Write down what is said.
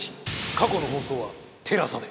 過去の放送はＴＥＬＡＳＡで。